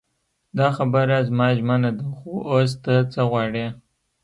دا خبره زما ژمنه ده خو اوس ته څه غواړې.